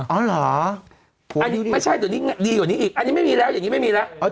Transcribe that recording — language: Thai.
อ๋อเหรออันนี้ไม่ใช่เดี๋ยวนี้ดีกว่านี้อีกอันนี้ไม่มีแล้วอย่างนี้ไม่มีแล้ว